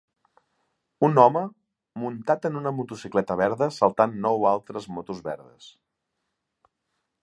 Un home muntat en una motocicleta verda saltant nou altres motos verdes.